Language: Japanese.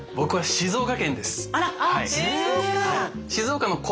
静岡。